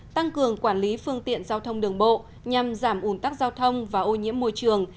tăng cường quản lý phương tiện giao thông đường bộ nhằm giảm ủn tắc giao thông và ô nhiễm môi trường